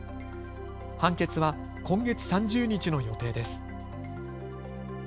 判決は今月３０日の予定です。